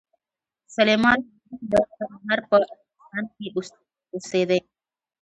سلېمان ماکو د کندهار په ارغسان کښي اوسېدئ.